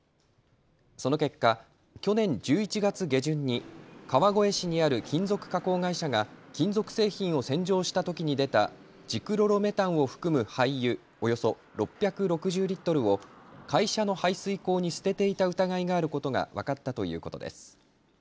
その結果、去年１１月下旬に川越市にある金属加工会社が金属製品を洗浄したときに出たジクロロメタンを含む廃油およそ６６０リットルを会社の排水口に捨てていた疑いがあることが分かったということです。